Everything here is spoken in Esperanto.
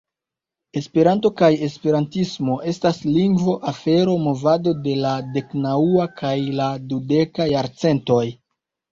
Esperanto kaj esperantismo estas lingvo, afero, movado de la deknaŭa kaj la dudeka jarcentoj.